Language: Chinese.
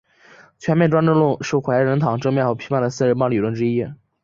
全面专政论是怀仁堂政变后批判的四人帮理论之一。